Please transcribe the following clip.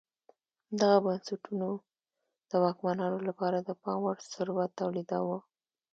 دغو بنسټونو د واکمنانو لپاره د پام وړ ثروت تولیداوه